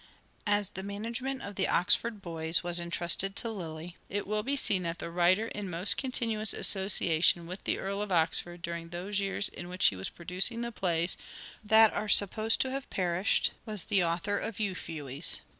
As the management of the Oxford Boys was Lyiy's and entrusted to Lyly, it will be seen that the writer in speareT" most continuous association with the Earl of Oxford dramas, during those years in which he was producing the plays that are supposed to have perished, was the author of " Euphues."